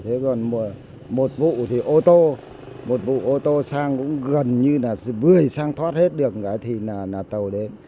thế còn một vụ thì ô tô một vụ ô tô sang cũng gần như là bưởi sang thoát hết được cả thì là tàu đến